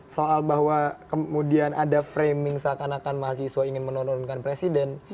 soal bahwa kemudian ada framing seakan akan mahasiswa ingin menurunkan presiden